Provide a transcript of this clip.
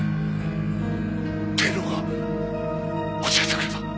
照夫が教えてくれた。